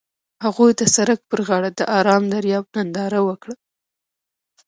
هغوی د سړک پر غاړه د آرام دریاب ننداره وکړه.